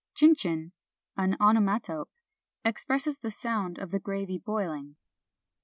Chin chin, an onomatope, expresses the sound of the gravy boiling.